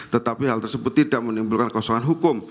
tetapi hal tersebut tidak menimbulkan kekosongan hukum